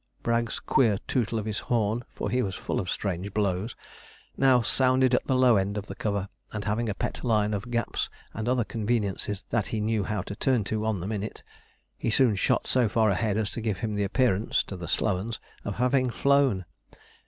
Bragg's queer tootle of his horn, for he was full of strange blows, now sounded at the low end of the cover; and, having a pet line of gaps and other conveniences that he knew how to turn to on the minute, he soon shot so far ahead as to give him the appearance (to the slow 'uns) of having flown.